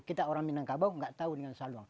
kita orang minangkabau tidak tahu dengan salung